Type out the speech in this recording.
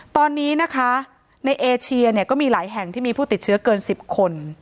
ตอนนี้นะคะในเอเชียเนี่ยก็มีหลายแห่งที่มีผู้ติดเชื้อเกิน๑๐คน